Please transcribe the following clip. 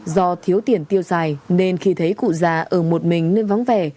do thiếu tiền tiêu xài nên khi thấy cụ già ở một mình nên vắng vẻ